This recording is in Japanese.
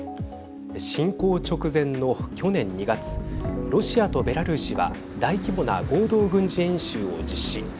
侵攻直前の去年２月ロシアとベラルーシは大規模な合同軍事演習を実施。